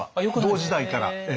同時代から。